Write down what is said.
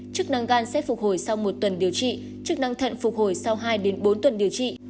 chức năng gan sẽ phục hồi sau một tuần điều trị chức năng thận phục hồi sau hai bốn tuần điều trị